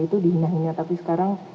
itu dihina hina tapi sekarang